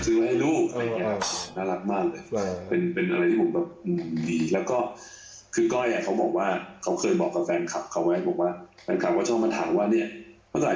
อ๋อซื้อไว้ให้ลูกน่ารักมากเลย